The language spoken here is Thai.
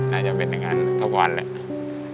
น่าจะเป็นอย่างนั้นทุกวันแหละ